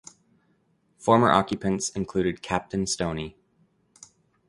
Former occupants included Captain Stoney.